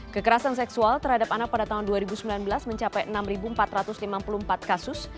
kekerasan seksual terhadap anak pada tahun dua ribu sembilan belas mencapai enam empat ratus lima puluh empat kasus